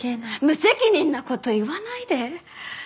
無責任な事言わないで！